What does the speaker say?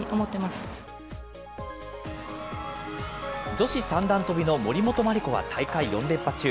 女子三段跳びの森本麻里子は大会４連覇中。